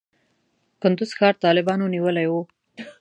کندز ښار طالبانو نیولی و.